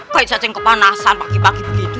kayak jajan kepanasan pagi pagi begitu ya